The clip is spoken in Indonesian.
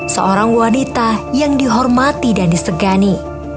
seorang wanita yang dihormati dan disegani